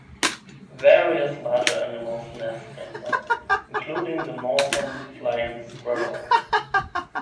Various larger animals nest in them, including the northern flying squirrel.